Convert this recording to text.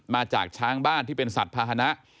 มาจากช้างบ้านที่เป็นสัตว์ภาษณะ